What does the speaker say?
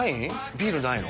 ビールないの？